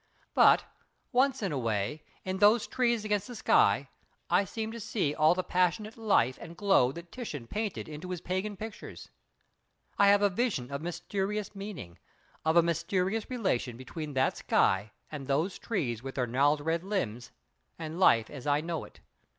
But, once in a way, in those trees against that sky I seem to see all the passionate life and glow that Titian painted into his pagan pictures. I have a vision of mysterious meaning, of a mysterious relation between that sky and those trees with their gnarled red limbs and Life as I know it.